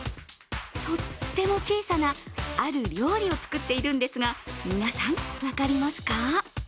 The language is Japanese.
とっても小さなある料理を作っているんですが、皆さん、分かりますか？